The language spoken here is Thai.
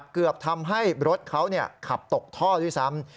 เกือบทำให้รถเขาขับตกท่อด้วยซ้ำ